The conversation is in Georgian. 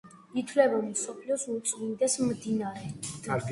ითვლება მსოფლიოს უწმიდეს მდინარედ.